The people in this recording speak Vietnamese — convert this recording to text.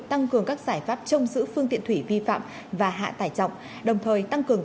tăng cường các giải pháp trông giữ phương tiện thủy vi phạm và hạ tải trọng đồng thời tăng cường